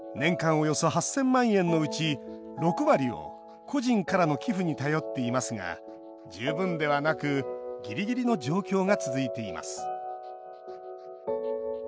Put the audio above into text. およそ８０００万円のうち６割を個人からの寄付に頼っていますが十分ではなくギリギリの状況が続いています。